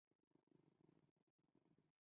祖父龚文礼。